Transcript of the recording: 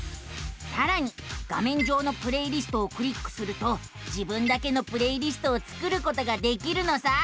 さらに画めん上の「プレイリスト」をクリックすると自分だけのプレイリストを作ることができるのさあ。